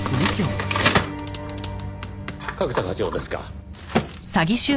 角田課長ですか？